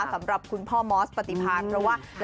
สำหรับคุณพ่อมอสปฏิพันธ์เพราะว่า